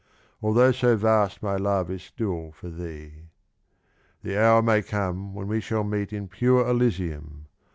although so vast My love is still for thee. The hour may conic When we shall meet in pure elysium.